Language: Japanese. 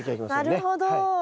なるほど。